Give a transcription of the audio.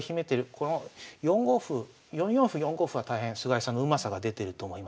この４五歩４四歩４五歩は大変菅井さんのうまさが出てると思いますね。